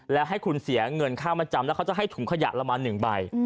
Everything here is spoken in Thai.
แล้วให้คุณเสียเงินค่ามาจำแล้วเขาจะให้ถุงขยะประมาณ๑ใบ